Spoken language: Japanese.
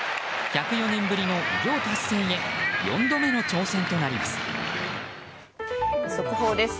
１０４年ぶりの偉業達成へ４度目の挑戦となります。